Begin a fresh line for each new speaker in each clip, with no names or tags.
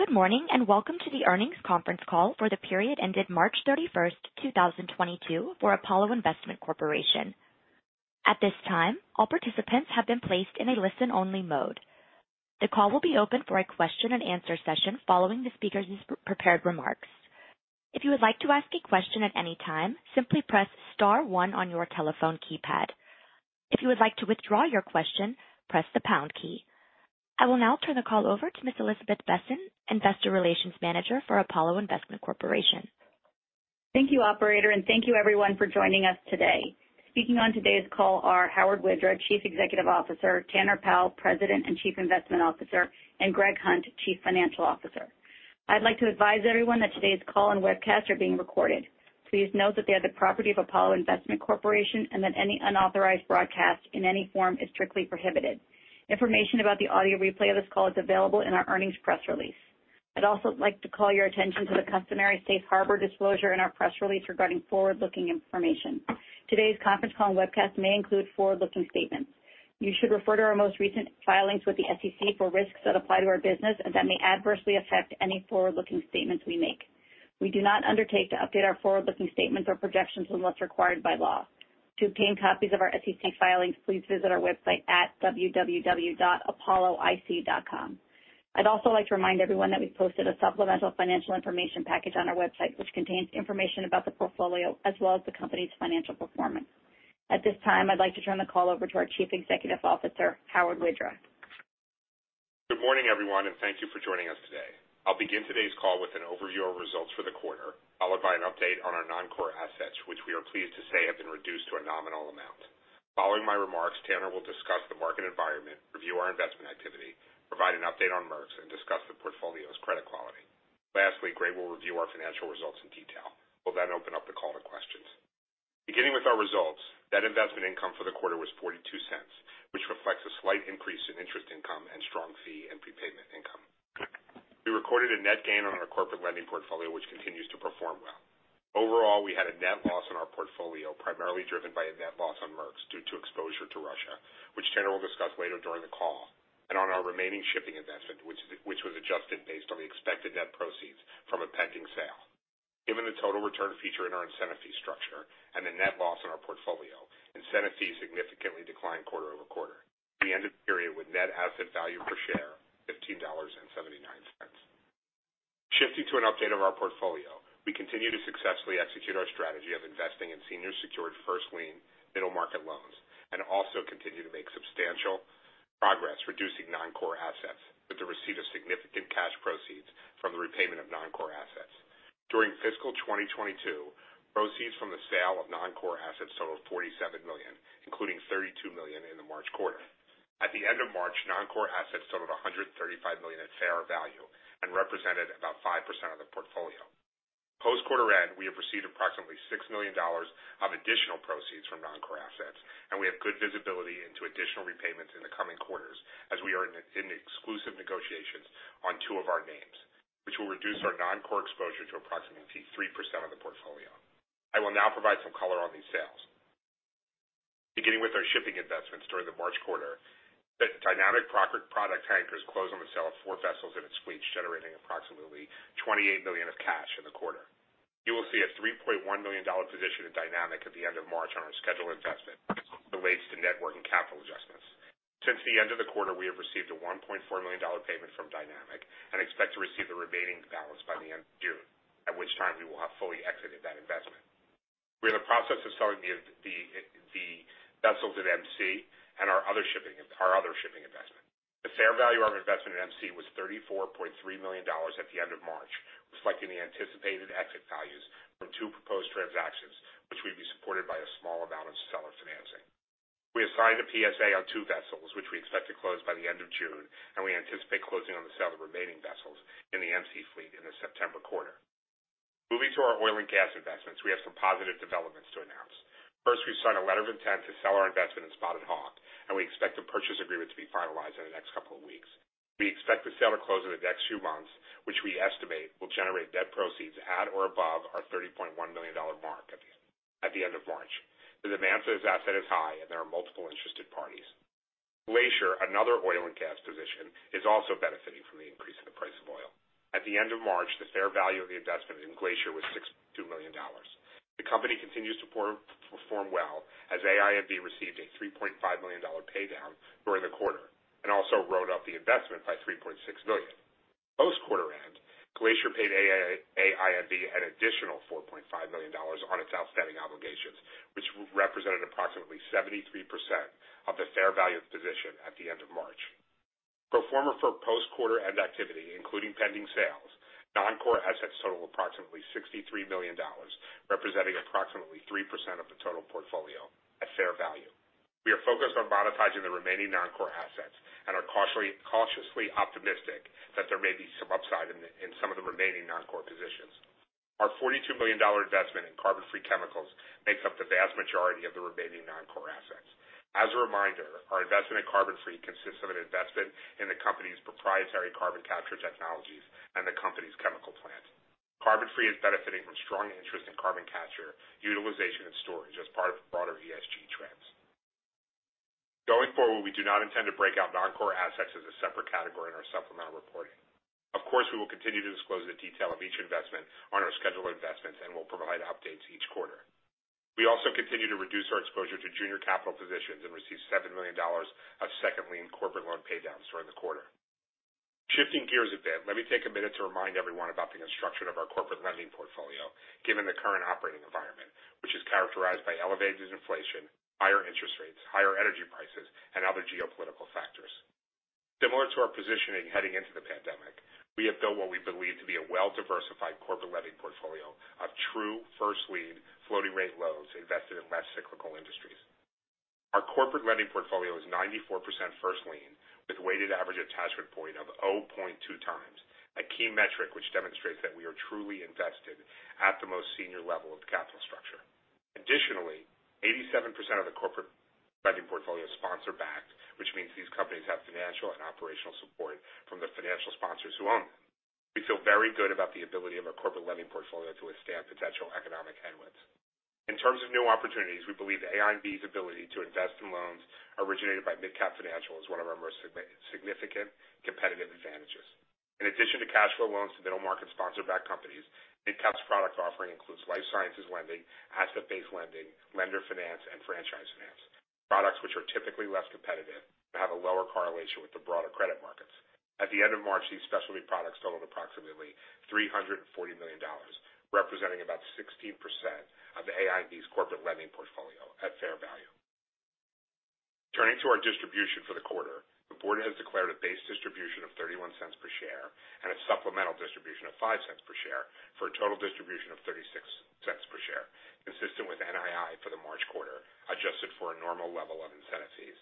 Goodmorning, and welcome to the earnings conference call for the period ended March 31st, 2022 for Apollo Investment Corporation. At this time, all participants have been placed in a listen-only mode. The call will be open for a question and answer session following the speakers' prepared remarks. If you would like to ask a question at any time, simply press star one on your telephone keypad. If you would like to withdraw your question, press the pound key. I will now turn the call over to Miss Elizabeth Besen, Investor Relations Manager for Apollo Investment Corporation.
Thank you, operator, and thank you everyone for joining us today. Speaking on today's call are Howard Widra, Chief Executive Officer, Tanner Powell, President and Chief Investment Officer, and Gregory Hunt, Chief Financial Officer. I'd like to advise everyone that today's call and webcast are being recorded. Please note that they are the property of MidCap Financial Investment Corporation, and that any unauthorized broadcast in any form is strictly prohibited. Information about the audio replay of this call is available in our earnings press release. I'd also like to call your attention to the customary safe harbor disclosure in our press release regarding forward-looking information. Today's conference call and webcast may include forward-looking statements. You should refer to our most recent filings with the SEC for risks that apply to our business and that may adversely affect any forward-looking statements we make. We do not undertake to update our forward-looking statements or projections unless required by law. To obtain copies of our SEC filings, please visit our website at www.apolloic.com. I'd also like to remind everyone that we've posted a supplemental financial information package on our website, which contains information about the portfolio as well as the company's financial performance. At this time, I'd like to turn the call over to our Chief Executive Officer, Howard Widra.
Good morning, everyone, and thank you for joining us today. I'll begin today's call with an overview of results for the quarter, followed by an update on our non-core assets, which we are pleased to say have been reduced to a nominal amount. Following my remarks, Tanner will discuss the market environment, review our investment activity, provide an update on Merx's, and discuss the portfolio's credit quality. Lastly, Greg will review our financial results in detail. We'll then open up the call to questions. Beginning with our results, net investment income for the quarter was $0.42, which reflects a slight increase in interest income and strong fee and prepayment income. We recorded a net gain on our corporate lending portfolio, which continues to perform well. Overall, we had a net loss in our portfolio, primarily driven by a net loss on Merx's due to exposure to Russia, which Tanner will discuss later during the call, and on our remaining shipping investment which was adjusted based on the expected net proceeds from a pending sale. Given the total return feature in our incentive fee structure and the net loss in our portfolio, incentive fees significantly declined quarter-over-quarter. We ended the period with net asset value per share of $15.79. Shifting to an update of our portfolio, we continue to successfully execute our strategy of investing in senior secured first lien middle market loans, and also continue to make substantial progress reducing non-core assets with the receipt of significant cash proceeds from the repayment of non-core assets. During fiscal 2022, proceeds from the sale of non-core assets totaled $47 million, including $32 million in the March quarter. At the end of March, non-core assets totaled $135 million at fair value and represented about 5% of the portfolio. Post quarter end, we have received approximately $6 million of additional proceeds from non-core assets, and we have good visibility into additional repayments in the coming quarters as we are in exclusive negotiations on two of our names, which will reduce our non-core exposure to approximately 3% of the portfolio. I will now provide some color on these sales. Beginning with our shipping investments during the March quarter, the Dynamic Product Tankers closed on the sale of four vessels in its fleet, generating approximately $28 million of cash in the quarter. You will see a $3.1 million position in Dynamic at the end of March on our schedule of investments, which relates to net working capital adjustments. Since the end of the quarter, we have received a $1.4 million payment from Dynamic and expect to receive the remaining balance by the end of June, at which time we will have fully exited that investment. We're in the process of selling the vessels at MC and our other shipping investment. The fair value of our investment at MC was $34.3 million at the end of March, reflecting the anticipated exit values from two proposed transactions, which would be supported by a small amount of seller financing. We assigned a PSA on two vessels, which we expect to close by the end of June, and we anticipate closing on the sale of remaining vessels in the MC fleet in the September quarter. Moving to our oil and gas investments, we have some positive developments to announce. First, we've signed a letter of intent to sell our investment in Spotted Hawk, and we expect a purchase agreement to be finalized in the next couple of weeks. We expect the sale to close in the next few months, which we estimate will generate net proceeds at or above our $30.1 million mark at the end of March. The demand for this asset is high and there are multiple interested parties. Glacier, another oil and gas position, is also benefiting from the increase in the price of oil. At the end of March, the fair value of the investment in Glacier was $6.2 million. The company continues to perform well as AIMD received a $3.5 million pay down during the quarter and also wrote up the investment by $3.6 million. Post quarter end, Glacier paid AIMD an additional $4.5 million on its outstanding obligations, which represented approximately 73% of the fair value of the position at the end of March. Pro forma for post quarter end activity, including pending sales, non-core assets total approximately $63 million, representing approximately 3% of the total portfolio at fair value. We are focused on monetizing the remaining non-core assets and are cautiously optimistic that there may be some upside in some of the remaining non-core positions. Our $42 million investment in Carbon Free Chemicals makes up the vast majority of the remaining non-core assets. As a reminder, our investment in Carbon Free consists of an investment in the company's proprietary carbon capture technologies and the company's chemical plants. Carbon Free is benefiting from strong interest in carbon capture, utilization and storage as part of the broader ESG trends. Going forward, we do not intend to break out non-core assets as a separate category in our supplemental reporting. Of course, we will continue to disclose the detail of each investment on our schedule of investments, and we'll provide updates each quarter. We also continue to reduce our exposure to junior capital positions and received $7 million of second lien corporate loan pay downs during the quarter. Shifting gears a bit, let me take a minute to remind everyone about the construction of our corporate lending portfolio, given the current operating environment, which is characterized by elevated inflation, higher interest rates, higher energy prices, and other geopolitical factors. Similar to our positioning heading into the pandemic, we have built what we believe to be a well-diversified corporate lending portfolio of true first lien floating rate loans invested in less cyclical industries. Our corporate lending portfolio is 94% first lien with weighted average attachment point of 0.2x, a key metric which demonstrates that we are truly invested at the most senior level of the capital structure. Additionally, 87% of the corporate lending portfolio is sponsor backed, which means these companies have financial and operational support from the financial sponsors who own them. We feel very good about the ability of our corporate lending portfolio to withstand potential economic headwinds. In terms of new opportunities, we believe AINV's ability to invest in loans originated by MidCap Financial is one of our most significant competitive advantages. In addition to cash flow loans to middle market sponsor backed companies, MidCap's product offering includes life sciences lending, asset-based lending, lender finance, and franchise finance, products which are typically less competitive but have a lower correlation with the broader credit markets. At the end of March, these specialty products totaled approximately $340 million, representing about 16% of AINV's corporate lending portfolio at fair value. Turning to our distribution for the quarter. The board has declared a base distribution of $0.31 per share and a supplemental distribution of $0.05 per share for a total distribution of $0.36 per share, consistent with NII for the March quarter, adjusted for a normal level of incentive fees.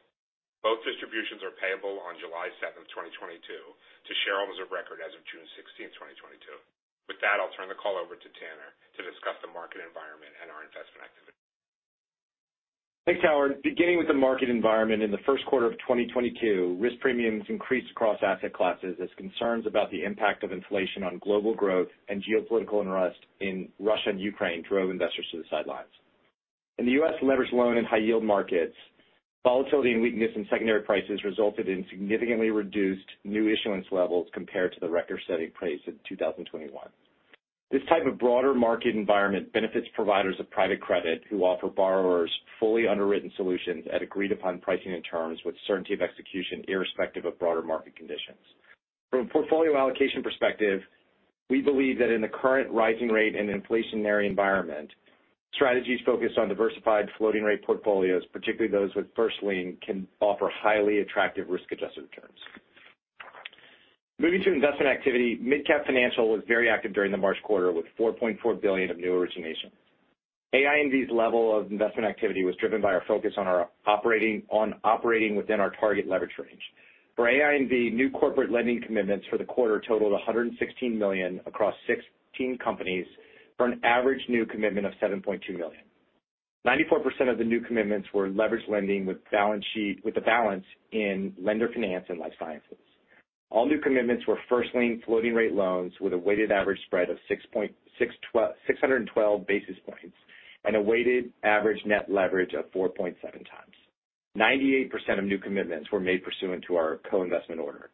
Both distributions are payable on July 7th, 2022 to shareholders of record as of June 16th, 2022. With that, I'll turn the call over to Tanner to discuss the market environment and our investment activity.
Thanks, Howard. Beginning with the market environment in the first quarter of 2022, risk premiums increased across asset classes as concerns about the impact of inflation on global growth and geopolitical unrest in Russia and Ukraine drove investors to the sidelines. In the U.S. leveraged loan and high-yield markets, volatility and weakness in secondary prices resulted in significantly reduced new issuance levels compared to the record-setting pace in 2021. This type of broader market environment benefits providers of private credit who offer borrowers fully underwritten solutions at agreed upon pricing and terms with certainty of execution, irrespective of broader market conditions. From a portfolio allocation perspective, we believe that in the current rising rate and inflationary environment, strategies focused on diversified floating rate portfolios, particularly those with first lien, can offer highly attractive risk-adjusted returns. Moving to investment activity, MidCap Financial was very active during the March quarter with $4.4 billion of new originations. AINV's level of investment activity was driven by our focus on operating within our target leverage range. For AINV, new corporate lending commitments for the quarter totaled $116 million across 16 companies for an average new commitment of $7.2 million. 94% of the new commitments were leveraged lending with the balance in lender finance and life sciences. All new commitments were first lien floating rate loans with a weighted average spread of 612 basis points, and a weighted average net leverage of 4.7x. 98% of new commitments were made pursuant to our co-investment order.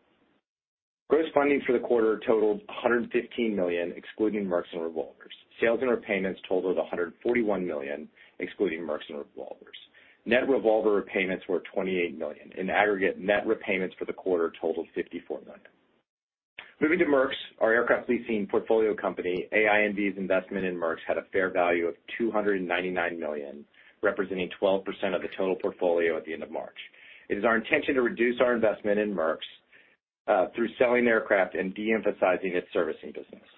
Gross funding for the quarter totaled $115 million, excluding Merx and revolvers. Sales and repayments totaled $141 million, excluding Merx and revolvers. Net revolver repayments were $28 million. In aggregate, net repayments for the quarter totaled $54 million. Moving to Merx, our aircraft leasing portfolio company, AINV's investment in Merx had a fair value of $299 million, representing 12% of the total portfolio at the end of March. It is our intention to reduce our investment in Merx through selling the aircraft and de-emphasizing its servicing business.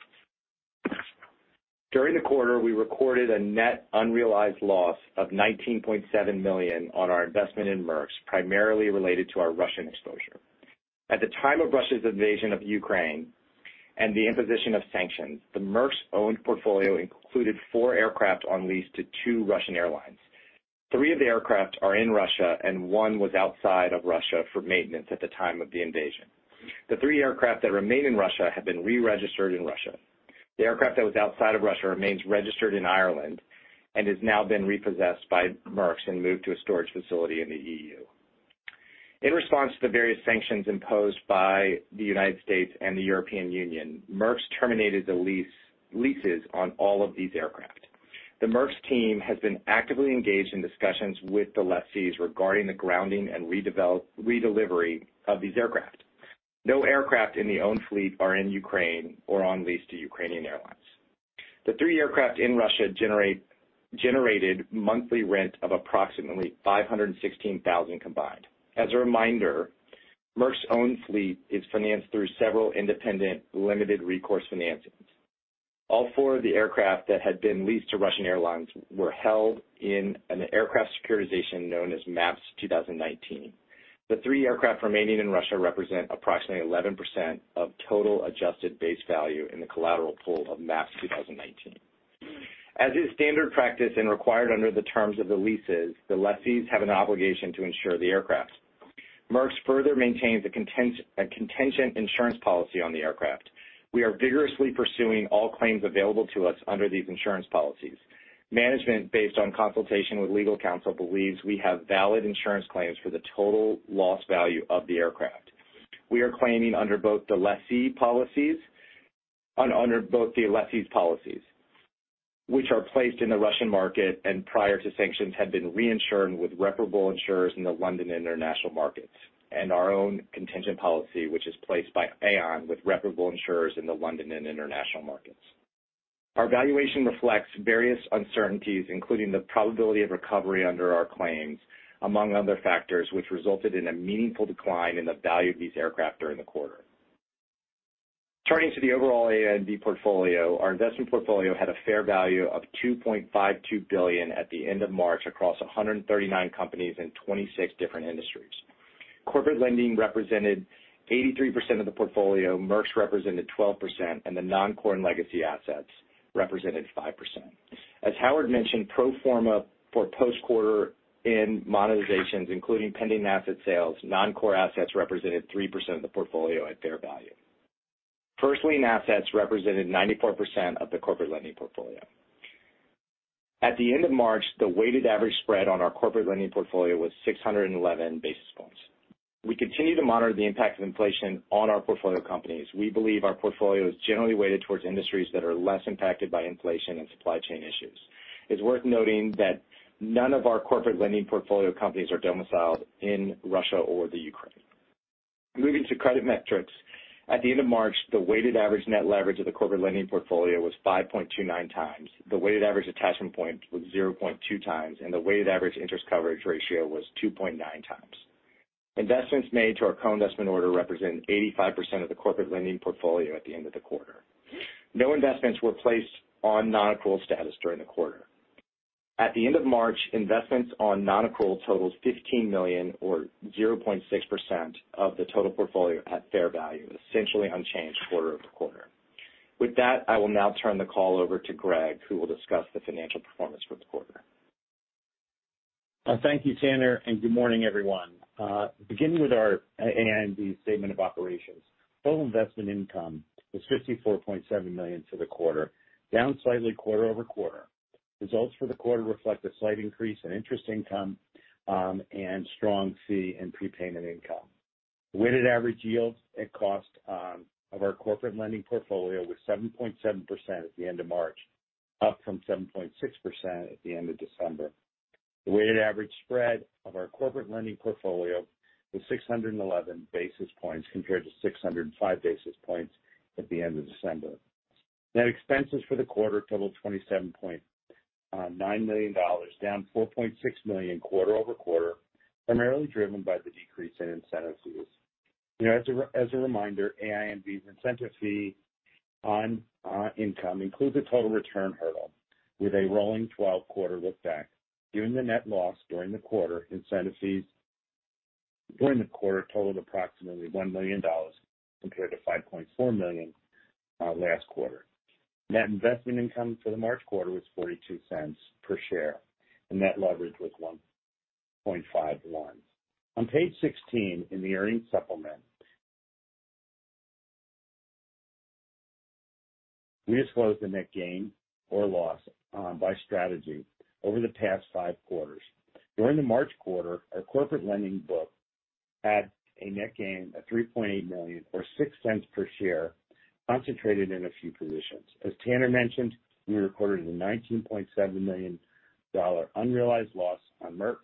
During the quarter, we recorded a net unrealized loss of $19.7 million on our investment in Merx, primarily related to our Russian exposure. At the time of Russia's invasion of Ukraine and the imposition of sanctions, the Merx-owned portfolio included four aircraft on lease to two Russian airlines. Three of the aircraft are in Russia, and one was outside of Russia for maintenance at the time of the invasion. The three aircraft that remain in Russia have been re-registered in Russia. The aircraft that was outside of Russia remains registered in Ireland and has now been repossessed by Merx and moved to a storage facility in the EU. In response to the various sanctions imposed by the United States and the European Union, Merx terminated the leases on all of these aircraft. The Merx team has been actively engaged in discussions with the lessees regarding the grounding and redelivery of these aircraft. No aircraft in the owned fleet are in Ukraine or on lease to Ukrainian airlines. The three aircraft in Russia generated monthly rent of approximately $516,000 combined. As a reminder, Merx's own fleet is financed through several independent limited recourse financings. All four of the aircraft that had been leased to Russian airlines were held in an aircraft securitization known as MAPS 2019. The three aircraft remaining in Russia represent approximately 11% of total adjusted base value in the collateral pool of MAPS 2019. As is standard practice and required under the terms of the leases, the lessees have an obligation to insure the aircraft. Merx further maintains a contingent insurance policy on the aircraft. We are vigorously pursuing all claims available to us under these insurance policies. Management, based on consultation with legal counsel, believes we have valid insurance claims for the total loss value of the aircraft. We are claiming under both the lessee's policies, which are placed in the Russian market and prior to sanctions had been reinsured with reputable insurers in the London and international markets, and our own contingent policy, which is placed by Aon with reputable insurers in the London and international markets. Our valuation reflects various uncertainties, including the probability of recovery under our claims, among other factors, which resulted in a meaningful decline in the value of these aircraft during the quarter. Turning to the overall AINV portfolio, our investment portfolio had a fair value of $2.52 billion at the end of March across 139 companies in 26 different industries. Corporate lending represented 83% of the portfolio, Merx represented 12%, and the non-core and legacy assets represented 5%. As Howard mentioned, pro forma for post-quarter in monetizations, including pending asset sales, non-core assets represented 3% of the portfolio at fair value. First lien assets represented 94% of the corporate lending portfolio. At the end of March, the weighted average spread on our corporate lending portfolio was 611 basis points. We continue to monitor the impact of inflation on our portfolio companies. We believe our portfolio is generally weighted towards industries that are less impacted by inflation and supply chain issues. It's worth noting that none of our corporate lending portfolio companies are domiciled in Russia or the Ukraine. Moving to credit metrics. At the end of March, the weighted average net leverage of the corporate lending portfolio was 5.29x. The weighted average attachment point was 0.2x, and the weighted average interest coverage ratio was 2.9x. Investments made to our co-investment order represent 85% of the corporate lending portfolio at the end of the quarter. No investments were placed on non-accrual status during the quarter. At the end of March, investments on non-accrual totaled $15 million or 0.6% of the total portfolio at fair value, essentially unchanged quarter-over-quarter. With that, I will now turn the call over to Greg, who will discuss the financial performance for the quarter.
Thank you, Tanner, and good morning, everyone. Beginning with our AINV statement of operations. Total investment income was $54.7 million for the quarter, down slightly quarter-over-quarter. Results for the quarter reflect a slight increase in interest income and strong fee and prepayment income. The weighted average yield and cost of our corporate lending portfolio was 7.7% at the end of March, up from 7.6% at the end of December. The weighted average spread of our corporate lending portfolio was 611 basis points compared to 605 basis points at the end of December. Net expenses for the quarter totaled $27.9 million, down $4.6 million quarter-over-quarter, primarily driven by the decrease in incentive fees. You know, as a reminder, AINV's incentive fee on income includes a total return hurdle with a rolling 12-quarter look-back. Given the net loss during the quarter, incentive fees during the quarter totaled approximately $1 million compared to $5.4 million last quarter. Net investment income for the March quarter was $0.42 per share, and net leverage was 1.51. On page 16 in the earnings supplement we disclose the net gain or loss by strategy over the past five quarters. During the March quarter, our corporate lending book had a net gain of $3.8 million or $0.06 per share concentrated in a few positions. As Tanner mentioned, we recorded a $19.7 million unrealized loss on Merx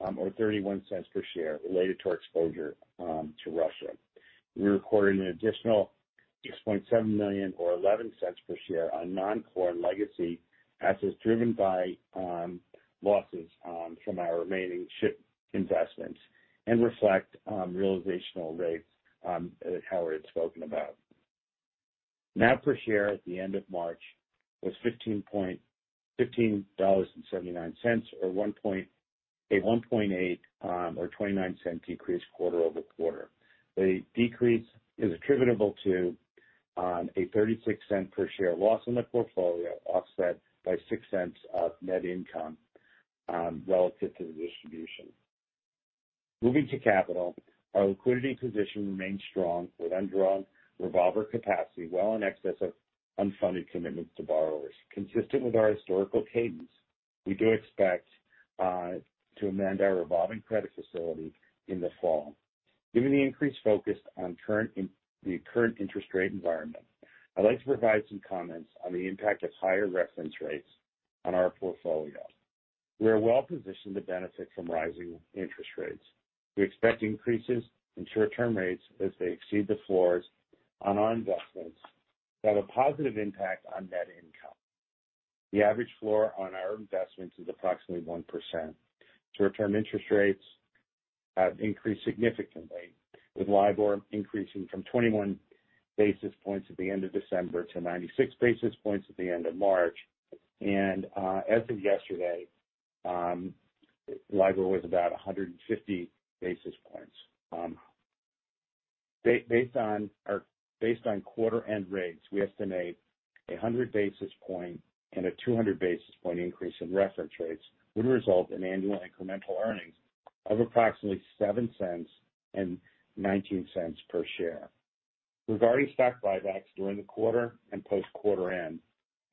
or $0.31 per share related to our exposure to Russia. We recorded an additional $6.7 million or $0.11 per share on non-core and legacy assets driven by losses from our remaining ship investments and reflect realizational rates that Howard had spoken about. NAV per share at the end of March was $15.79 or a 1.8% or $0.29 decrease quarter-over-quarter. The decrease is attributable to a $0.36 per share loss in the portfolio, offset by $0.06 of net income relative to the distribution. Moving to capital. Our liquidity position remains strong with undrawn revolver capacity well in excess of unfunded commitments to borrowers. Consistent with our historical cadence, we do expect to amend our revolving credit facility in the fall. Given the increased focus on the current interest rate environment, I'd like to provide some comments on the impact of higher reference rates on our portfolio. We are well positioned to benefit from rising interest rates. We expect increases in short-term rates as they exceed the floors on our investments that have a positive impact on net income. The average floor on our investments is approximately 1%. Short-term interest rates have increased significantly, with LIBOR increasing from 21 basis points at the end of December to 96 basis points at the end of March. As of yesterday, LIBOR was about 150 basis points.
Based on quarter end rates, we estimate a 100 basis point and a 200 basis point increase in reference rates would result in annual incremental earnings of approximately $0.07 and $0.19 per share. Regarding stock buybacks during the quarter and post quarter end,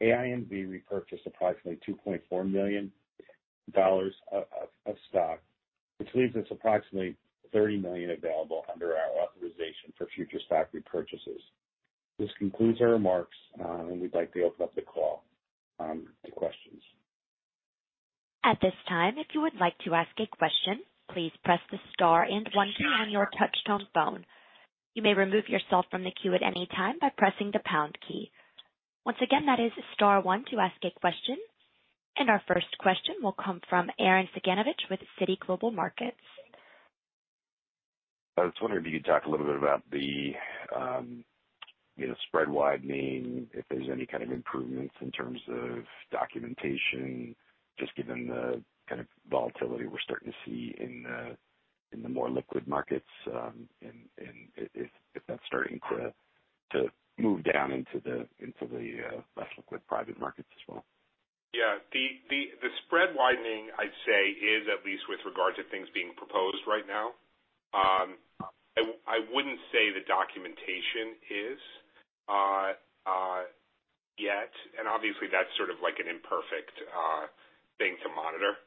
AINV repurchased approximately $2.4 million of stock, which leaves us approximately $30 million available under our authorization for future stock repurchases. This concludes our remarks, and we'd like to open up the call to questions.
At this time, if you would like to ask a question, please press the star and one key on your touchtone phone. You may remove yourself from the queue at any time by pressing the pound key. Once again, that is star one to ask a question. Our first question will come from Arren Cyganovich with Citigroup Global Markets.
I was wondering if you could talk a little bit about the, you know, spread widening, if there's any kind of improvements in terms of documentation, just given the kind of volatility we're starting to see in the more liquid markets, and if that's starting to move down into the less liquid private markets as well?
Yeah. The spread widening, I'd say, is at least with regard to things being proposed right now. I wouldn't say the documentation is yet, and obviously, that's sort of like an imperfect thing to monitor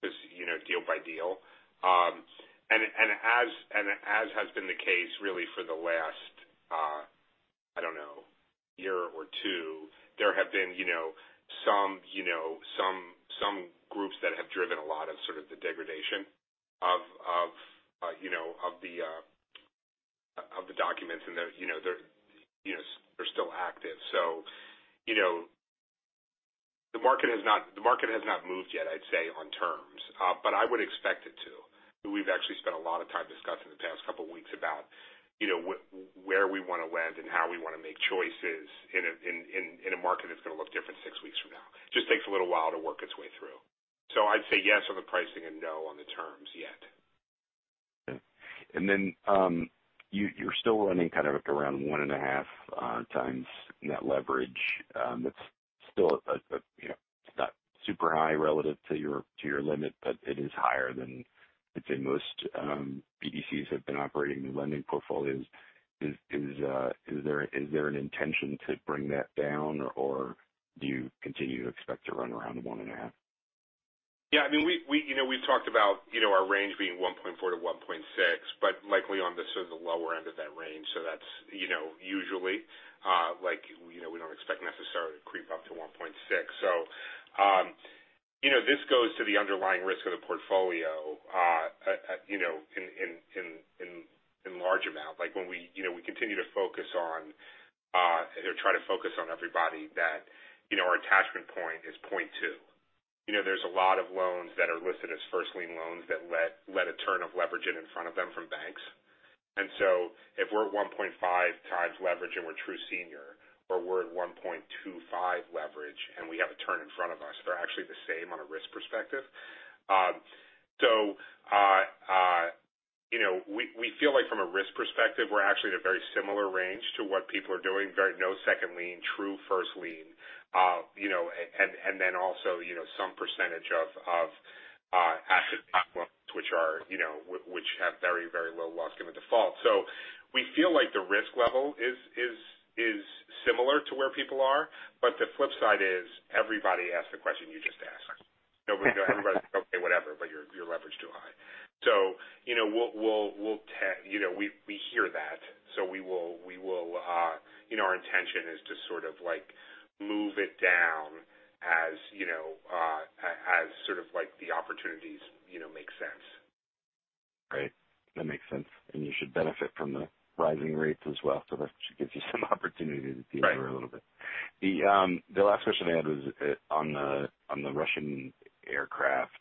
because, you know, deal by deal. As has been the case really for the last, I don't know, year or two, there have been, you know, some groups that have driven a lot of sort of the degradation of the documents. They're still active. You know, the market has not moved yet, I'd say, on terms. I would expect it to. We've actually spent a lot of time discussing the past couple weeks about, you know, where we wanna land and how we wanna make choices in a market that's gonna look different six weeks from now. Just takes a little while to work its way through. So I'd say yes on the pricing and no on the terms yet.
You're still running kind of at around 1.5x net leverage. It's still a, you know, it's not super high relative to your limit, but it is higher than I'd say most BDCs have been operating in lending portfolios. Is there an intention to bring that down, or do you continue to expect to run around 1.5?
Yeah. I mean, we, you know, we've talked about, you know, our range being 1.4-1.6, but likely on the sort of the lower end of that range. That's, you know, usually, like, you know, we don't expect necessarily to creep up to 1.6. You know, this goes to the underlying risk of the portfolio, you know, in large amount. Like when we, you know, we continue to focus on, or try to focus on everybody that, you know, our attachment point is 0.2. You know, there's a lot of loans that are listed as first lien loans that let a turn of leverage in front of them from banks. If we're at 1.5x leverage and we're true senior, or we're at 1.25x leverage and we have a turn in front of us, they're actually the same on a risk perspective. You know, we feel like from a risk perspective, we're actually at a very similar range to what people are doing, very no second lien, true first lien. You know, and then also, you know, some percentage of asset-based loans, which are, you know, which have very, very low loss given default. We feel like the risk level is similar to where people are. But the flip side is everybody asks the question you just asked. Nobody go, everybody's okay, whatever, but your leverage too high. You know, we hear that. We will, you know, our intention is to sort of like move it down as, you know, as sort of like the opportunities, you know, make sense.
Right. That makes sense. You should benefit from the rising rates as well. That should give you some opportunity to teeter a little bit.
Right.
The last question I had was on the Russian aircraft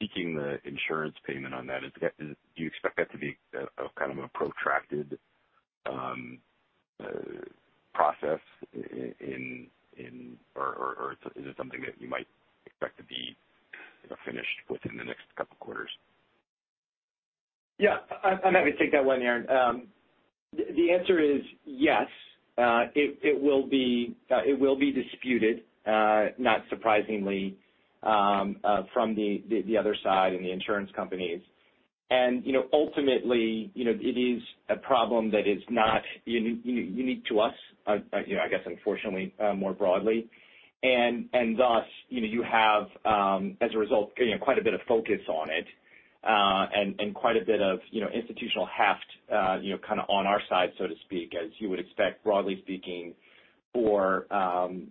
seeking the insurance payment on that. Do you expect that to be a kind of a protracted process or is it something that you might expect to be, you know, finished within the next couple quarters?
Yeah. I'm happy to take that one, Aaron. The answer is yes. It will be disputed, not surprisingly, from the other side and the insurance companies. You know, ultimately, you know, it is a problem that is not unique to us, you know, I guess, unfortunately, more broadly. Thus, you know, you have, as a result, you know, quite a bit of focus on it, and quite a bit of, you know, institutional heft, you know, kinda on our side, so to speak, as you would expect, broadly speaking, for,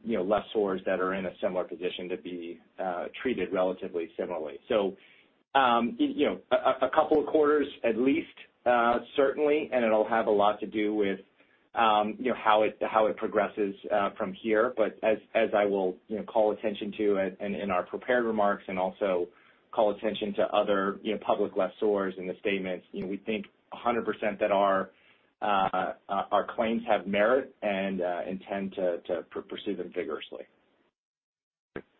you know, lessors that are in a similar position to be treated relatively similarly. You know, a couple of quarters at least, certainly, and it'll have a lot to do with, you know, how it progresses from here. As I will, you know, call attention to in our prepared remarks and also call attention to other, you know, public lessors in the statements, you know, we think 100% that our claims have merit and intend to pursue them vigorously.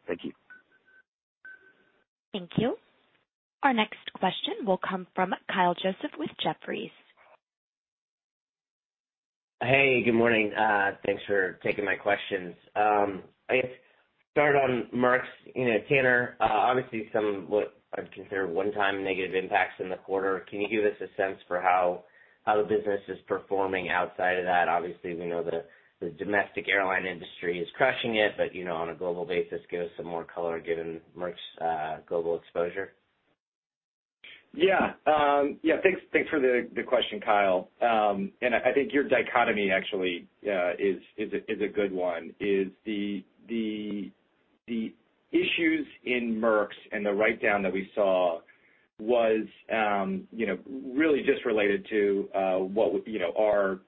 Thank you.
Thank you. Our next question will come from Kyle Joseph with Jefferies.
Hey, good morning. Thanks for taking my questions. I guess start on Merx's, you know, Tanner, obviously somewhat what I'd consider one-time negative impacts in the quarter. Can you give us a sense for how the business is performing outside of that? Obviously, we know the domestic airline industry is crushing it, but, you know, on a global basis, give us some more color given Merx's global exposure.
Yeah. Yeah, thanks for the question, Kyle. I think your dichotomy actually is a good one. The issues in Merx's and the write-down that we saw was really just related to, you know, our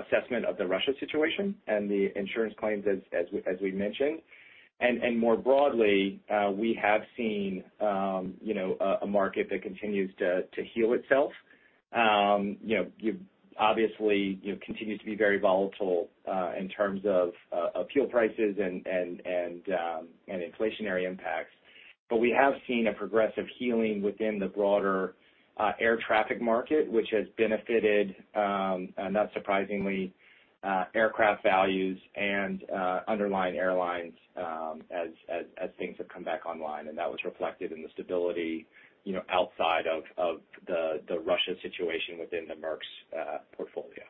assessment of the Russia situation and the insurance claims as we mentioned. More broadly, we have seen, you know, a market that continues to heal itself. You know, you've obviously, you know, continued to be very volatile in terms of fuel prices and inflationary impacts. We have seen a progressive healing within the broader air traffic market, which has benefited, not surprisingly, aircraft values and underlying airlines, as things have come back online. That was reflected in the stability, you know, outside of the Russia situation within the Merx's portfolio.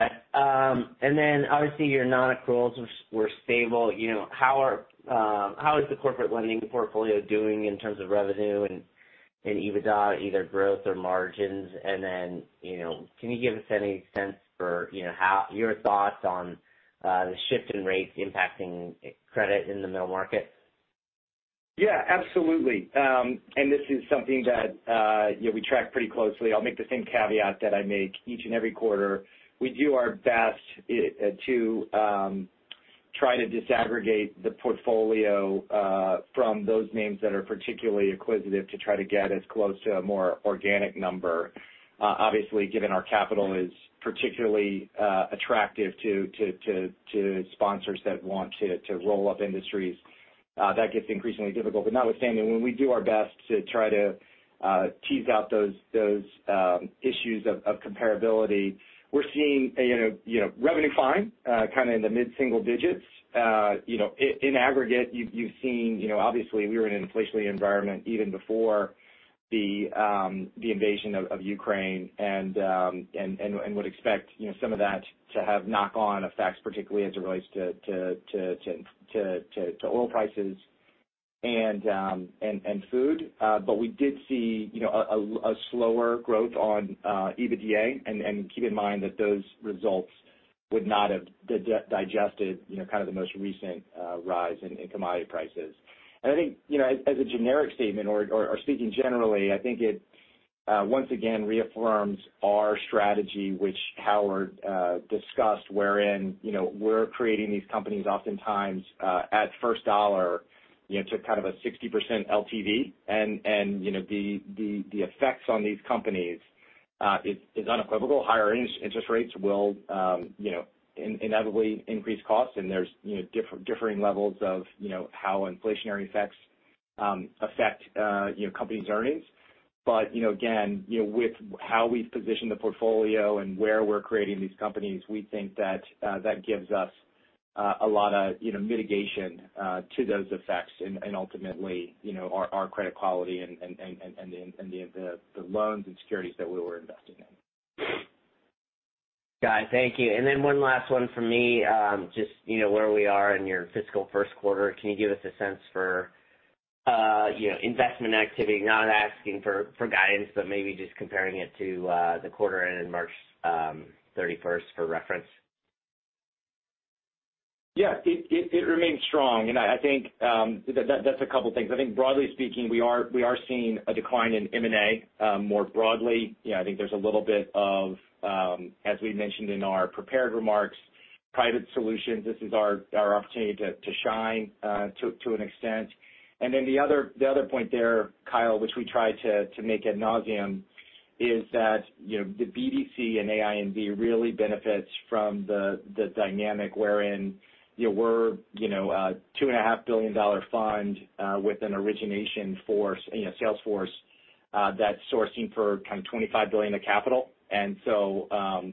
Got it. Obviously your non-accruals were stable. You know, how is the corporate lending portfolio doing in terms of revenue and EBITDA, either growth or margins? You know, can you give us any sense for your thoughts on the shift in rates impacting credit in the middle market?
Yeah, absolutely. This is something that, you know, we track pretty closely. I'll make the same caveat that I make each and every quarter. We do our best to try to disaggregate the portfolio from those names that are particularly acquisitive to try to get as close to a more organic number. Obviously, given our capital is particularly attractive to sponsors that want to roll up industries, that gets increasingly difficult. Notwithstanding, when we do our best to try to tease out those issues of comparability, we're seeing, you know, revenue decline kind of in the mid-single digits. In aggregate, you've seen, you know, obviously we were in an inflationary environment even before the invasion of Ukraine and would expect, you know, some of that to have knock-on effects, particularly as it relates to oil prices and food. We did see, you know, a slower growth on EBITDA. Keep in mind that those results would not have digested, you know, kind of the most recent rise in commodity prices. I think, you know, as a generic statement or speaking generally, I think it once again reaffirms our strategy, which Howard discussed, wherein, you know, we're creating these companies oftentimes at first dollar, you know, to kind of a 60% LTV. You know, the effects on these companies is unequivocal. Higher interest rates will, you know, inevitably increase costs. There's, you know, differing levels of, you know, how inflationary effects affect, you know, companies' earnings. You know, again, you know, with how we've positioned the portfolio and where we're creating these companies, we think that that gives us a lot of, you know, mitigation to those effects and ultimately, you know, our credit quality and the loans and securities that we were investing in.
Got it. Thank you. Then one last one for me. Just, you know, where we are in your fiscal first quarter, can you give us a sense for, you know, investment activity? Not asking for guidance, but maybe just comparing it to the quarter ending March thirty-first for reference.
Yeah. It remains strong. I think that's a couple things. I think broadly speaking, we are seeing a decline in M&A. More broadly, you know, I think there's a little bit of, as we mentioned in our prepared remarks, private solutions. This is our opportunity to shine, to an extent. The other point there, Kyle, which we try to make ad nauseam is that, you know, the BDC and AINV really benefits from the dynamic wherein, you know, we're a $2.5 billion fund with an origination force, you know, sales force that's sourcing for kind of $25 billion of capital.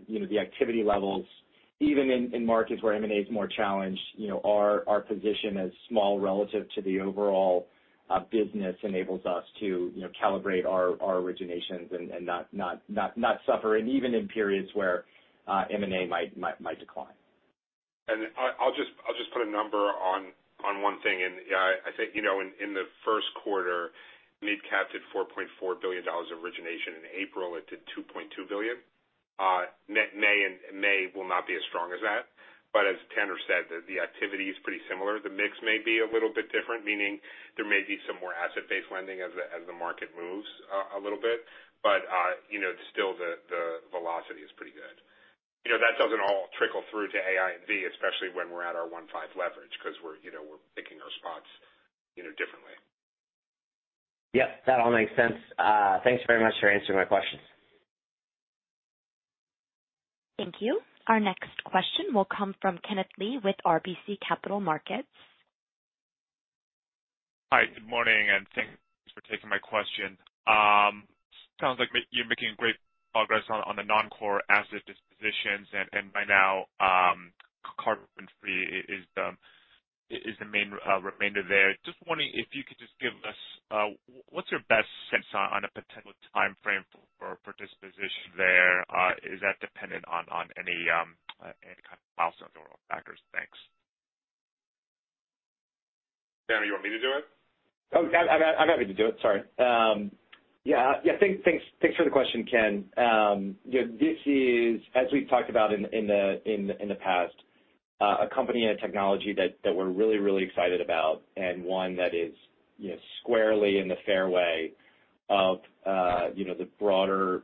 You know, the activity levels, even in markets where M&A is more challenged, you know, our position as small relative to the overall business enables us to, you know, calibrate our originations and not suffer. Even in periods where M&A might decline.
I'll just put a number on one thing. I think, you know, in the first quarter, MidCap did $4.4 billion origination. In April, it did $2.2 billion. May will not be as strong as that, but as Tanner said, the activity is pretty similar. The mix may be a little bit different, meaning there may be some more asset-based lending as the market moves a little bit. You know, still the velocity is pretty good. You know, that doesn't all trickle through to AINV, especially when we're at our 1-5 leverage because we're, you know, picking our spots, you know, differently.
Yep, that all makes sense. Thanks very much for answering my questions.
Thank you. Our next question will come from Kenneth Lee with RBC Capital Markets.
Hi, good morning, and thanks for taking my question. Sounds like you're making great progress on the non-core asset dispositions, and by now, CarbonFree is the main remainder there. Just wondering if you could just give us what's your best sense on a potential timeframe for disposition there? Is that dependent on any kind of milestone or factors? Thanks.
Tanner, you want me to do it?
I'm happy to do it. Sorry. Yeah. Thanks for the question, Ken. You know, this is, as we've talked about in the past, a company and a technology that we're really excited about, and one that is, you know, squarely in the fairway of, you know, the broader,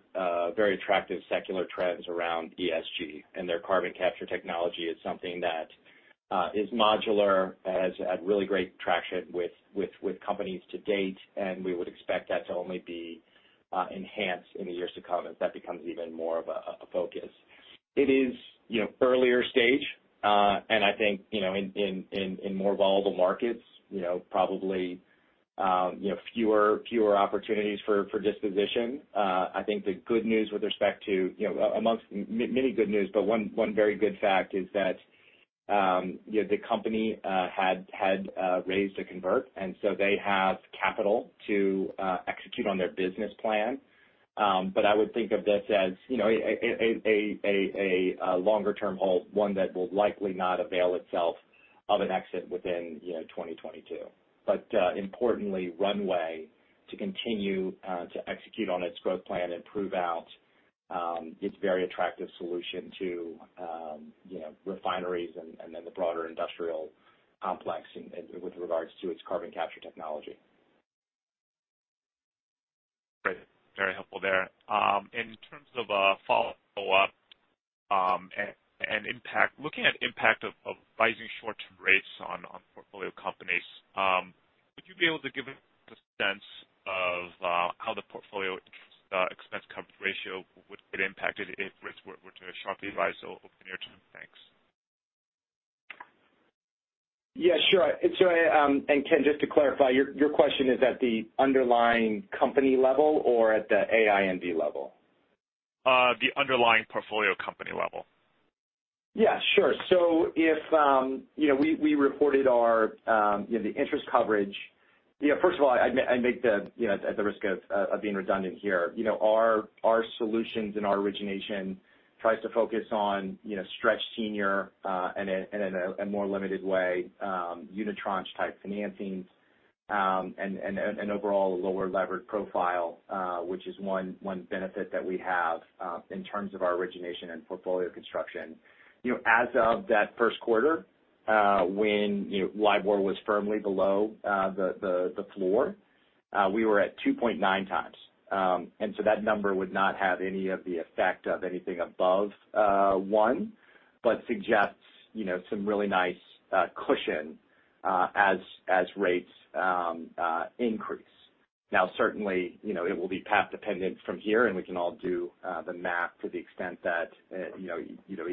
very attractive secular trends around ESG. Their carbon capture technology is something that is modular, has had really great traction with companies to date, and we would expect that to only be enhanced in the years to come as that becomes even more of a focus. It is, you know, earlier stage, and I think, you know, in more volatile markets, you know, probably, fewer opportunities for disposition. I think the good news with respect to, you know, among many good news, but one very good fact is that, you know, the company had raised a convertible, and so they have capital to execute on their business plan. I would think of this as, you know, a longer-term hold, one that will likely not avail itself of an exit within, you know, 2022. Importantly, runway to continue to execute on its growth plan and prove out its very attractive solution to, you know, refineries and then the broader industrial complex with regards to its carbon capture technology.
Great. Very helpful there. In terms of a follow-up, and impact, looking at impact of rising short-term rates on portfolio companies, would you be able to give a sense of how the portfolio interest expense coverage ratio would get impacted if rates were to sharply rise over near-term? Thanks.
Yeah, sure. Ken, just to clarify, your question is at the underlying company level or at the AIMD level?
The underlying portfolio company level.
Yeah, sure. If you know, we reported our you know, the interest coverage. You know, first of all, I make the you know, at the risk of being redundant here, you know, our solutions and our origination tries to focus on you know, stretch senior and a more limited way unitranche-type financings and overall lower levered profile which is one benefit that we have in terms of our origination and portfolio construction. You know, as of that first quarter when you know, LIBOR was firmly below the floor we were at 2.9x. That number would not have any of the effect of anything above one, but suggests you know some really nice cushion as rates increase. Now certainly, you know, it will be path dependent from here, and we can all do the math to the extent that you know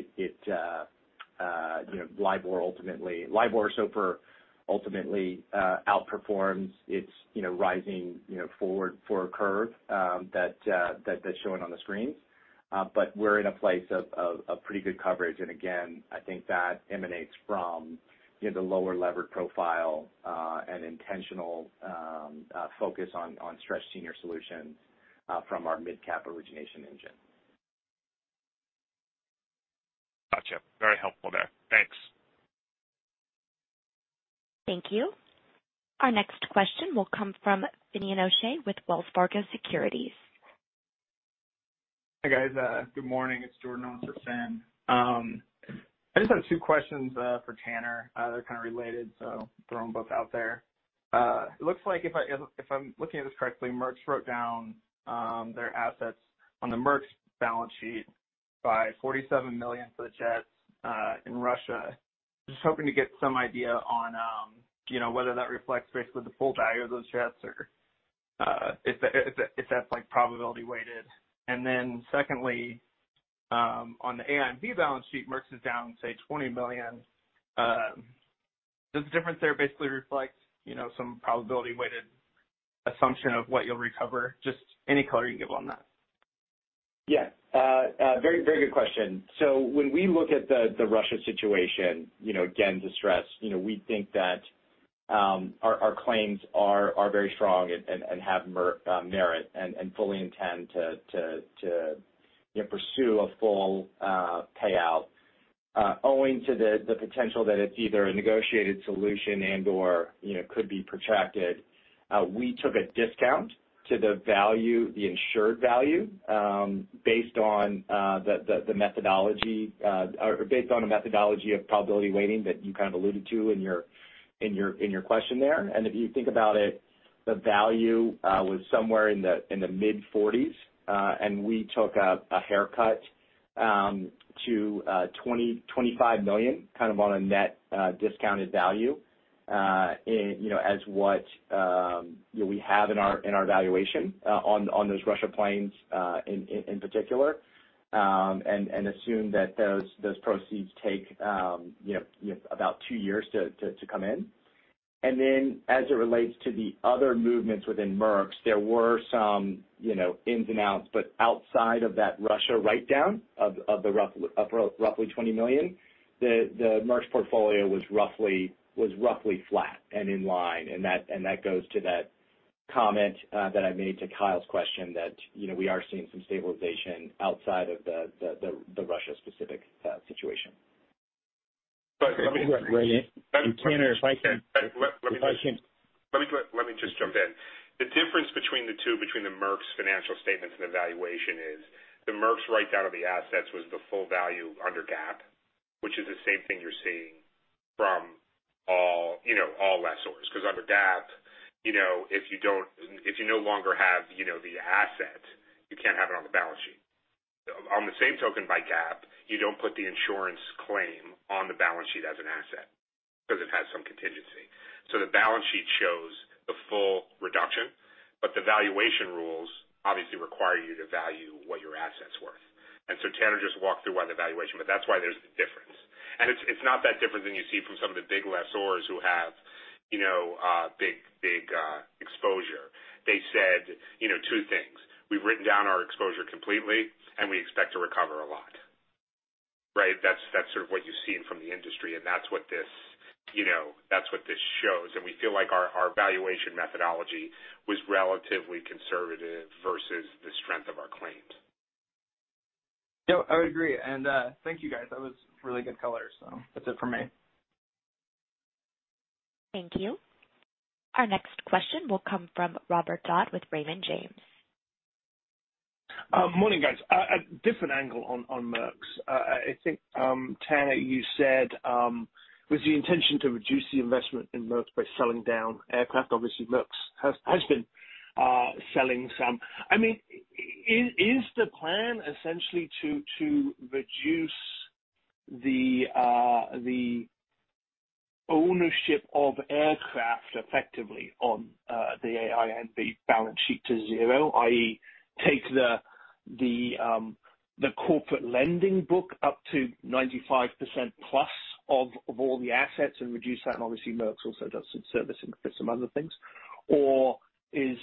SOFR ultimately outperforms its you know rising forward curve that's showing on the screen. But we're in a place of pretty good coverage. Again, I think that emanates from you know the lower levered profile and intentional focus on stretch senior solutions from our MidCap origination engine.
Gotcha. Very helpful there. Thanks.
Thank you. Our next question will come from Finian O'Shea with Wells Fargo Securities.
Hi, guys. Good morning. It's Jordan. I'll insert Finn. I just have two questions for Tanner. They're kind of related, so throw them both out there. It looks like if I'm looking at this correctly, Merx wrote down their assets on the Merx's balance sheet by $47 million for the jets in Russia. Just hoping to get some idea on, you know, whether that reflects basically the full value of those jets or if that's like probability weighted. Secondly, on the AINV balance sheet, Merx's is down, say, $20 million. Does the difference there basically reflect, you know, some probability weighted assumption of what you'll recover? Just any color you can give on that.
Yeah. Very good question. When we look at the Russia situation, you know, again, to stress, you know, we think that our claims are very strong and have merit and fully intend to you know pursue a full payout. Owing to the potential that it's either a negotiated solution and/or you know could be protracted, we took a discount to the value, the insured value, based on a methodology of probability weighting that you kind of alluded to in your question there. If you think about it, the value was somewhere in the mid-40s, and we took a haircut to $25 million, kind of on a net discounted value, in you know, as what you know, we have in our valuation on those Russia planes in particular. Assume that those proceeds take you know about two years to come in. Then as it relates to the other movements within Merx, there were some you know ins and outs, but outside of that Russia write-down of roughly $20 million, the Merx portfolio was roughly flat and in line. That goes to that comment that I made to Kyle's question that, you know, we are seeing some stabilization outside of the Russia specific situation.
But let me just-. Go ahead, Ray. Tanner, If I can- [inaudible] Let me go ahead. Let me just jump in. The difference between the two, between the Merx financial statements and the valuation is the Merx write down of the assets was the full value under GAAP, which is the same thing you're seeing from all, you know, all lessors. Because under GAAP, you know, if you no longer have, you know, the asset, you can't have it on the balance sheet. By the same token, by GAAP, you don't put the insurance claim on the balance sheet as an asset because it has some contingency. The balance sheet shows the full reduction, but the valuation rules obviously require you to value what your asset's worth. Tanner just walked through on the valuation, but that's why there's the difference. It's not that different than you see from some of the big lessors who have, you know, big exposure. They said, you know, two things. We've written down our exposure completely, and we expect to recover a lot. Right? That's sort of what you've seen from the industry, and that's what this, you know, that's what this shows. We feel like our valuation methodology was relatively conservative versus the strength of our claims.
Yeah, I would agree. Thank you, guys. That was really good color. That's it for me.
Thank you. Our next question will come from Robert Dodd with Raymond James.
Morning, guys. A different angle on Merx. I think, Tanner, you said, was the intention to reduce the investment in Merx by selling down aircraft. Obviously, Merx has been selling some. I mean, is the plan essentially to reduce the ownership of aircraft effectively on the AINV balance sheet to zero? i.e., take the corporate lending book up to 95% plus of all the assets and reduce that, and obviously Merx also does some servicing for some other things. Or is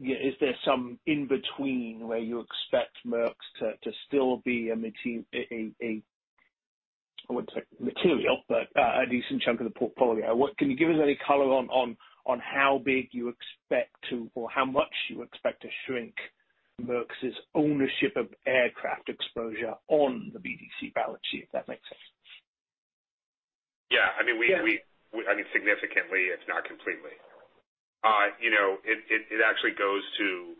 there some in between where you expect Merx to still be a, I wouldn't say material, but a decent chunk of the portfolio. Can you give us any color on how big you expect to or how much you expect to shrink Merx's ownership of aircraft exposure on the BDC balance sheet, if that makes sense?
Yeah. I mean,
Yeah.
I mean, significantly, if not completely. You know, it actually goes to,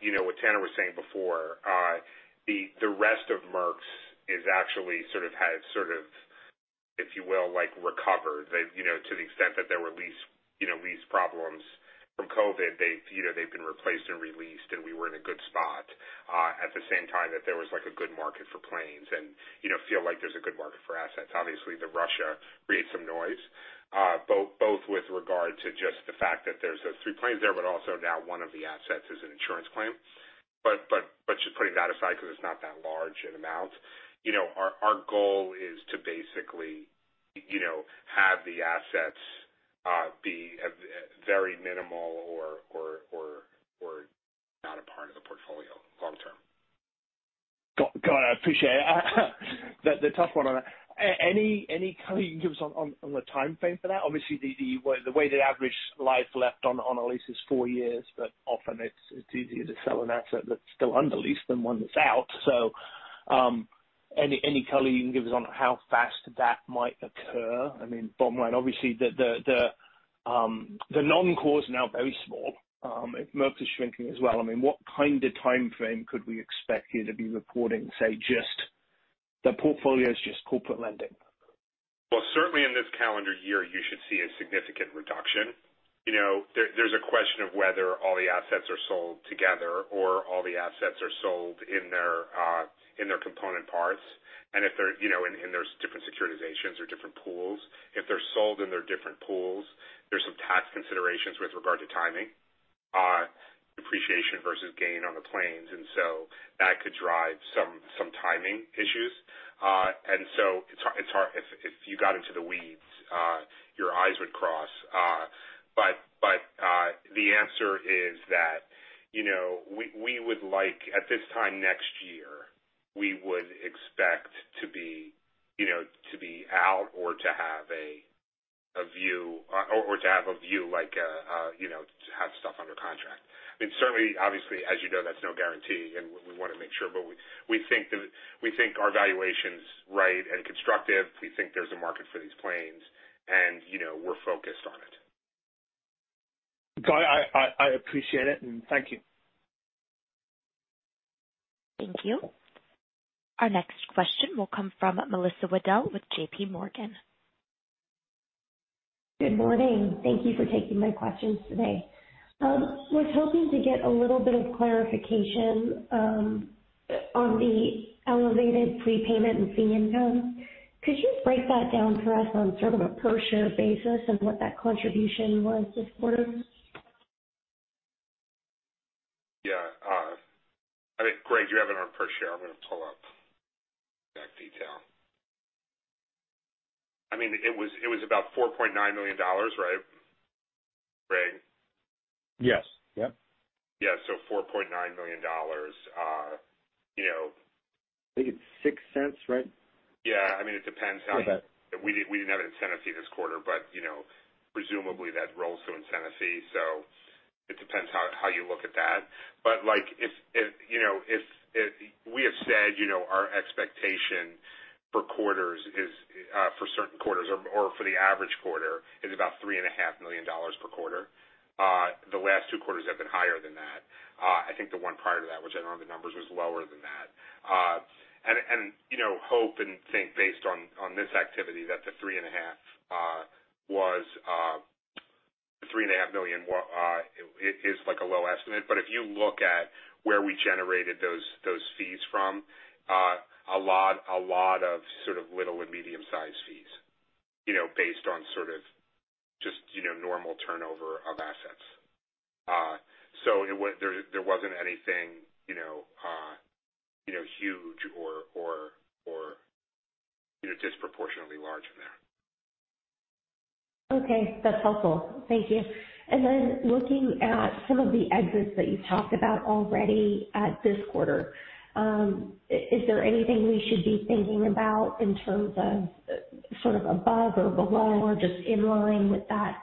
you know, what Tanner was saying before. The rest of Merx has actually sort of recovered. They've, you know, to the extent that there were lease problems from COVID, they've, you know, they've been replaced and re-leased, and we were in a good spot. At the same time that there was like a good market for planes and feel like there's a good market for assets. Obviously, Russia creates some noise, both with regard to just the fact that there's those three planes there, but also now one of the assets is an insurance claim. Just putting that aside because it's not that large an amount, you know, our goal is to basically, you know, have the assets be at very minimal or not a part of the portfolio long term.
Got it. I appreciate it. The tough one on that. Any color you can give us on the timeframe for that? Obviously, the way the average life left on a lease is four years, but often it's easier to sell an asset that's still under lease than one that's out. Any color you can give us on how fast that might occur? I mean, bottom line, obviously the non-core is now very small. If Merx is shrinking as well, I mean, what kind of timeframe could we expect you to be reporting, say, just the portfolio's corporate lending?
Well, certainly in this calendar year you should see a significant reduction. You know, there's a question of whether all the assets are sold together or all the assets are sold in their component parts. If they're, you know, and there's different securitizations or different pools. If they're sold in their different pools, there's some tax considerations with regard to timing, depreciation versus gain on the planes, and so that could drive some timing issues. It's hard if you got into the weeds, your eyes would cross. The answer is that, you know, we would like, at this time next year, we would expect to be, you know, to be out or to have a view like, you know, to have stuff under contract. I mean, certainly, obviously, as you know, that's no guarantee and we wanna make sure, but we think our valuation's right and constructive. We think there's a market for these planes, and, you know, we're focused on it.
Got it. I appreciate it, and thank you.
Thank you. Our next question will come from Melissa Wedel with JPMorgan.
Good morning. Thank you for taking my questions today. I was hoping to get a little bit of clarification on the elevated prepayment and fee income. Could you break that down for us on sort of a per share basis and what that contribution was this quarter?
Yeah. I think, Greg, you have it on per share. I'm gonna pull up that detail. I mean, it was about $4.9 million, right? Greg?
Yes. Yep.
Yeah. $4.9 million, you know-
I think it's $0.06, right?
Yeah. I mean, it depends on.
Okay.
We didn't have an incentive fee this quarter, but you know, presumably that rolls to incentive fee, so it depends how you look at that. Like, if you know if we have said, you know, our expectation for quarters is for certain quarters or for the average quarter is about $3.5 million per quarter. The last two quarters have been higher than that. I think the one prior to that, which I don't have the numbers, was lower than that. You know, hope and think based on this activity that the $3.5 million is like a low estimate. If you look at where we generated those fees from, a lot of sort of little and medium-sized fees, you know, based on sort of just, you know, normal turnover of assets. There wasn't anything, you know, huge or, you know, disproportionately large in there.
Okay, that's helpful. Thank you. Looking at some of the exits that you talked about already at this quarter, is there anything we should be thinking about in terms of sort of above or below or just in line with that,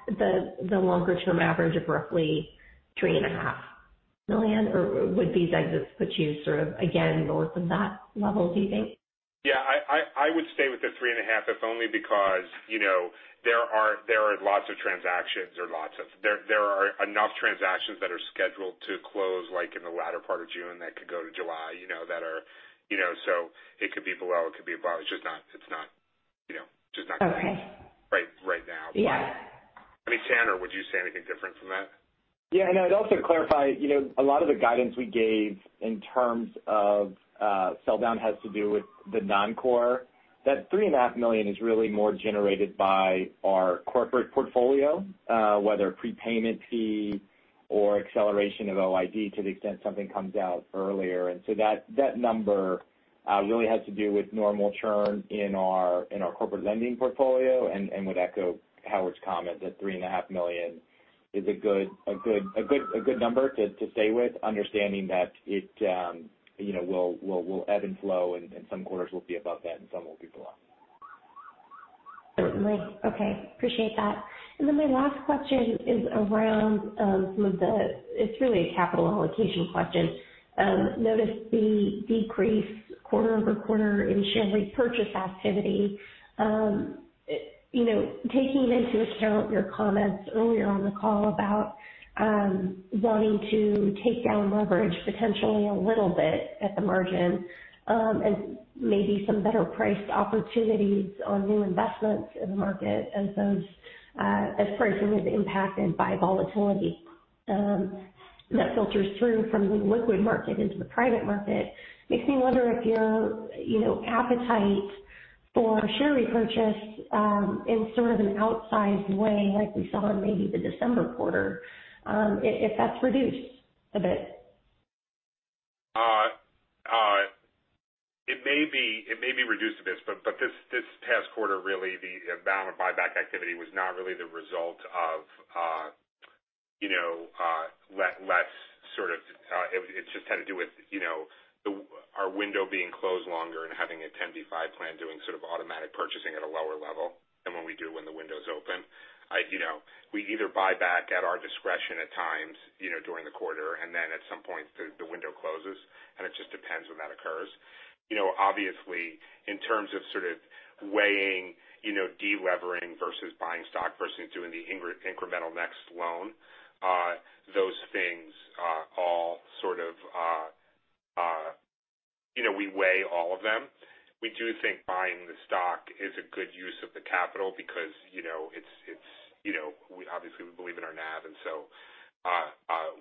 the longer term average of roughly $3.5 million? Or would these exits put you sort of again north of that level, do you think?
Yeah, I would stay with the 3.5, if only because, you know, there are enough transactions that are scheduled to close like in the latter part of June that could go to July, you know. It could be below, it could be above. It's just not, you know, just not clear.
Okay.
Right, right now.
Yeah.
I mean, Tanner, would you say anything different from that?
Yeah. No, I'd also clarify, you know, a lot of the guidance we gave in terms of sell down has to do with the non-core. That $3.5 million is really more generated by our corporate portfolio, whether prepayment fee or acceleration of OID to the extent something comes out earlier. That number really has to do with normal churn in our corporate lending portfolio. Would echo Howard Widra's comment that $3.5 million is a good number to stay with, understanding that it, you know, will ebb and flow and some quarters will be above that and some will be below.
Certainly. Okay. Appreciate that. Then my last question is around some of the. It's really a capital allocation question. Noticed the decrease quarter-over-quarter in share repurchase activity. You know, taking into account your comments earlier on the call about wanting to take down leverage potentially a little bit at the margin, and maybe some better priced opportunities on new investments in the market as those, as pricing is impacted by volatility, that filters through from the liquid market into the private market. Makes me wonder if your, you know, appetite for share repurchase in sort of an outsized way like we saw in maybe the December quarter, if that's reduced a bit.
It may be reduced a bit, but this past quarter really the amount of buyback activity was not really the result of, you know, less sort of, it just had to do with, you know, our window being closed longer and having a 10b5-1 plan doing sort of automatic purchasing at a lower level than what we do when the window's open. You know, we either buy back at our discretion at times, you know, during the quarter, and then at some point the window closes, and it just depends when that occurs. You know, obviously, in terms of sort of weighing, you know, de-levering versus buying stock versus doing the incremental next loan, those things, all sort of, you know, we weigh all of them. We do think buying the stock is a good use of the capital because, you know, it's you know, we obviously believe in our NAV, and so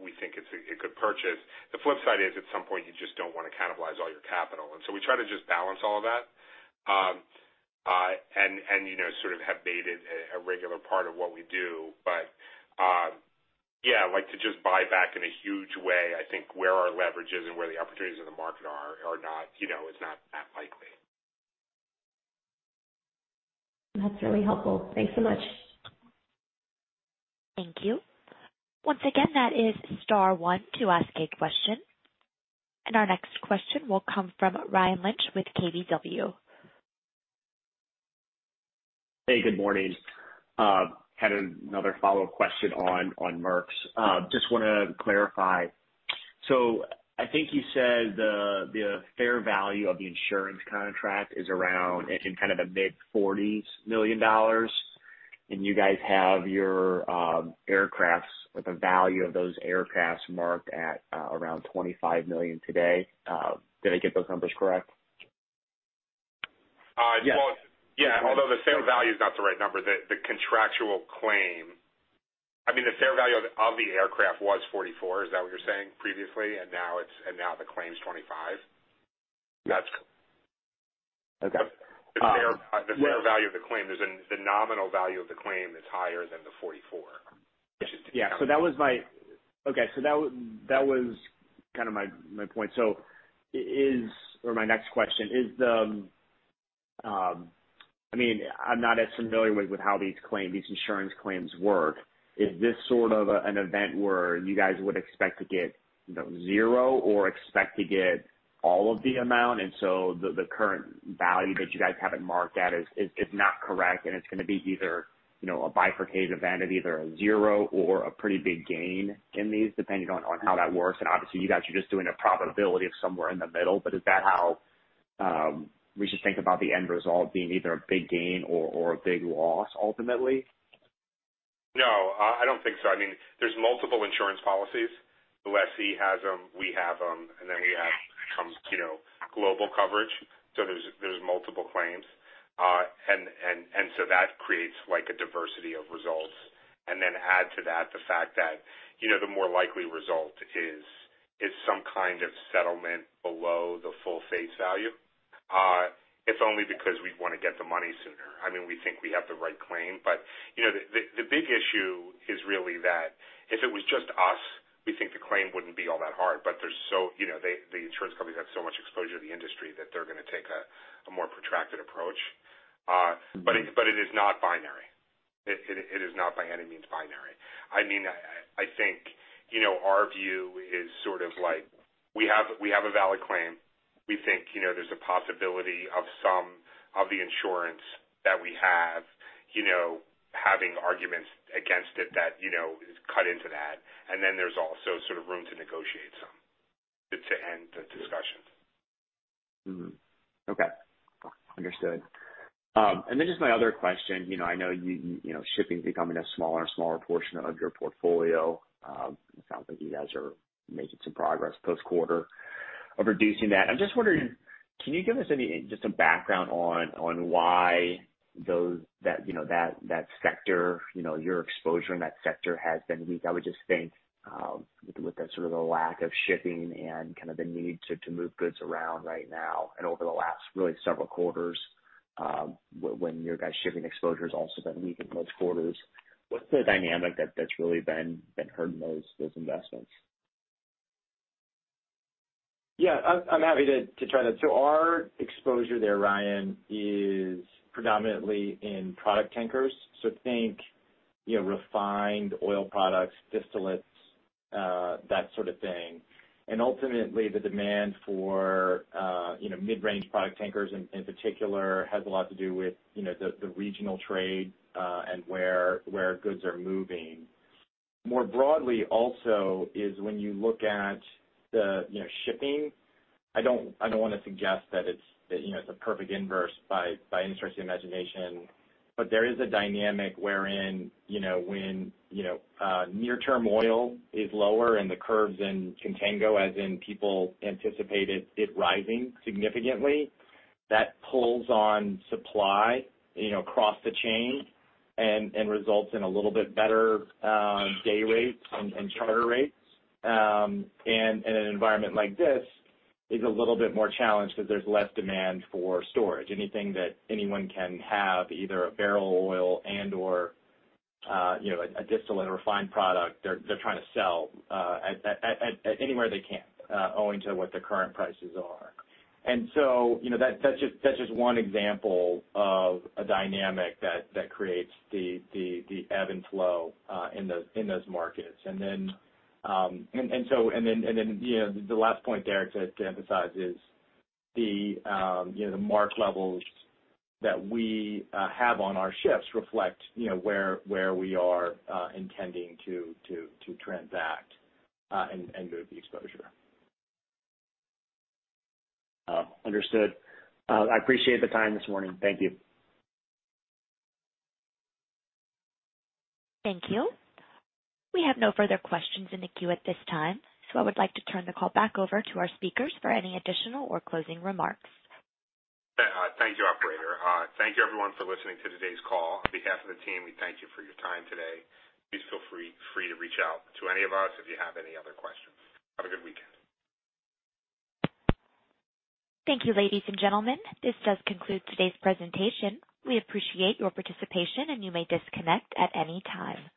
we think it's a good purchase. The flip side is at some point you just don't wanna cannibalize all your capital. We try to just balance all of that, and you know, sort of have made it a regular part of what we do. Yeah, like to just buy back in a huge way, I think where our leverage is and where the opportunities in the market are not, you know, is not that likely.
That's really helpful. Thanks so much.
Thank you. Once again, that is star one to ask a question. Our next question will come from Ryan Lynch with KBW.
Hey, good morning. Had another follow-up question on Merx. Just wanna clarify. So I think you said the fair value of the insurance contract is around in kind of the mid-40s $ million, and you guys have your aircrafts with a value of those aircrafts marked at around $25 million today. Did I get those numbers correct? Well, yeah. Although the fair value is not the right number. The contractual claim. I mean, the fair value of the aircraft was $44 million. Is that what you're saying previously? And now the claim's $25 million?
That's correct.
Okay.
The fair value of the claim is in. The nominal value of the claim is higher than the $44.
Yeah. That was kind of my point. Or my next question is, I mean, I'm not as familiar with how these claims, these insurance claims work. Is this sort of an event where you guys would expect to get, you know, zero or expect to get all of the amount? And so the current value that you guys have marked at is not correct, and it's gonna be either, you know, a bifurcated event of either a zero or a pretty big gain in these, depending on how that works. And obviously, you guys are just doing a probability of somewhere in the middle. But is that how we should think about the end result being either a big gain or a big loss ultimately?
No, I don't think so. I mean, there's multiple insurance policies. The lessee has them, we have them, and then we have some, you know, global coverage. There's multiple claims. That creates like a diversity of results. Then add to that the fact that, you know, the more likely result is some kind of settlement below the full face value. It's only because we wanna get the money sooner. I mean, we think we have the right claim, but, you know, the big issue is really that if it was just us, we think the claim wouldn't be all that hard. But there's so much exposure to the industry that they're gonna take a more protracted approach. But it is not binary. It is not by any means binary. I mean, I think, you know, our view is sort of like we have a valid claim. We think, you know, there's a possibility of some of the insurance that we have, you know, having arguments against it that, you know, cut into that. Then there's also sort of room to negotiate some to end the discussions.
Okay. Understood. Just my other question. You know, I know you know, shipping is becoming a smaller and smaller portion of your portfolio. It sounds like you guys are making some progress post-quarter of reducing that. I'm just wondering, can you give us any just some background on why that sector, you know, your exposure in that sector has been weak? I would just think, with the sort of lack of shipping and kind of the need to move goods around right now and over the last really several quarters, when your guys' shipping exposure has also been weak in those quarters. What's the dynamic that's really been hurting those investments?
Yeah. I'm happy to try that. Our exposure there, Ryan, is predominantly in product tankers. Think, you know, refined oil products, distillates, that sort of thing. Ultimately, the demand for, you know, mid-range product tankers in particular has a lot to do with, you know, the regional trade, and where goods are moving. More broadly also is when you look at the, you know, shipping. I don't wanna suggest that it's, you know, it's a perfect inverse by any stretch of the imagination. There is a dynamic wherein, you know, when, you know, near term oil is lower and the curves in contango, as in people anticipate it rising significantly, that pulls on supply, you know, across the chain and results in a little bit better day rates and charter rates. In an environment like this is a little bit more challenged because there's less demand for storage. Anything that anyone can have, either a barrel of oil and/or, you know, a distillate refined product, they're trying to sell at anywhere they can owing to what the current prices are. You know, that's just one example of a dynamic that creates the ebb and flow in those markets. You know, the last point Derek said to emphasize is the mark levels that we have on our ships reflect, you know, where we are intending to transact and move the exposure.
Understood. I appreciate the time this morning. Thank you.
Thank you. We have no further questions in the queue at this time. I would like to turn the call back over to our speakers for any additional or closing remarks.
Thank you, operator. Thank you everyone for listening to today's call. On behalf of the team, we thank you for your time today. Please feel free to reach out to any of us if you have any other questions. Have a good weekend.
Thank you, ladies and gentlemen. This does conclude today's presentation. We appreciate your participation, and you may disconnect at any time.